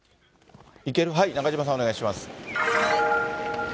中島さん、お願いします。